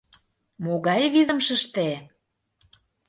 — Могай визымшыште?